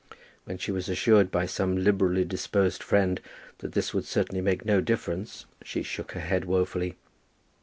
When she was assured by some liberally disposed friend that this would certainly make no difference, she shook her head woefully.